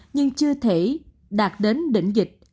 nhưng chưa thể đạt đến đỉnh dịch